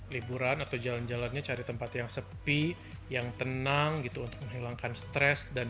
liburan atau jalan jalannya cari tempat yang sepi yang tenang gitu untuk menghilangkan stres dan